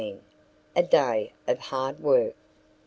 A DAY OF HARD WORK.